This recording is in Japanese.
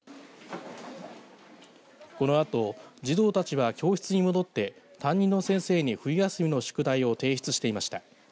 このあと児童たちは教室に戻って担任の先生に冬休みの宿題を提出していました。